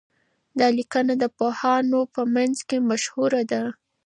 دا لیکنه د پوهانو په منځ کي مشهوره ده.